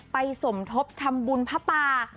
สมทบทำบุญพระป่า